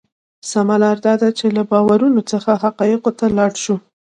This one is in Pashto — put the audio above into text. سمه لار دا ده چې له باورونو څخه حقایقو ته لاړ شو.